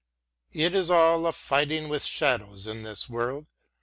It is all a fightmg with shadows, in this world.